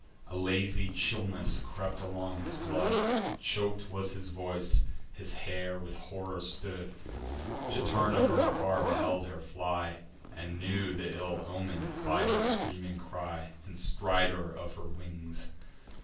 A lazy chillness crept along his blood; Chok'd was his voice; his hair with horror stood. Juturna from afar beheld her fly, And knew th' ill omen, by her screaming cry And stridor of her wings.